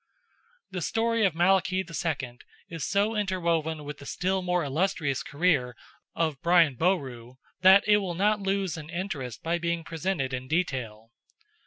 The story of Malachy II. is so interwoven with the still more illustrious career of Brian Borooa, that it will not lose in interest by being presented in detail.